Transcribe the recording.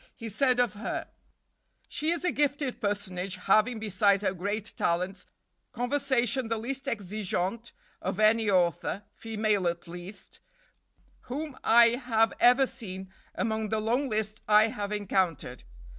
He said of her: "She is a gifted personage, having, besides her great talents, conversation the least exigeante of any author, female at least, whom I have ever seen, among the long list I have encountered.